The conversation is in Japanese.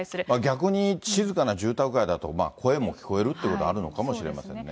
逆に静かな住宅街だと、声も聞こえるってことはあるのかもしれませんね。